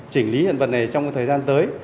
chỉnh lý hiện vật này trong thời gian tới